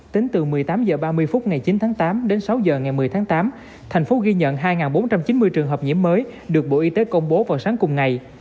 tính từ một mươi tám h ba mươi phút ngày chín tháng tám đến sáu h ngày một mươi tháng tám thành phố ghi nhận hai bốn trăm chín mươi trường hợp nhiễm mới được bộ y tế công bố vào sáng cùng ngày